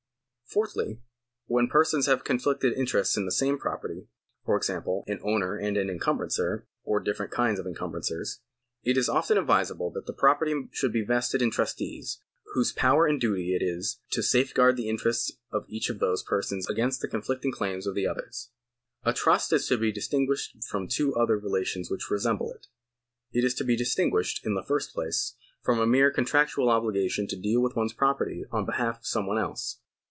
Fourthly, when persons have conflicting interests in the same property (for example, an owner and an encumbrancer, or different kinds of encumbrancers) it is often advisable that the property should be vested in trustees, whose power and duty it is to safeguard the interests of each of those persons against the conflicting claims of the others. A trust is to be distinguished from two other relations which resemble it. It is to be distinguished, in the first place, from a mere contractual obligation to deal with one's property on behalf of some one else.